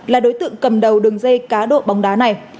là đối tượng cầm đầu đường dây cá độ bóng đá này